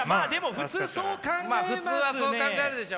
普通はそう考えるでしょうね。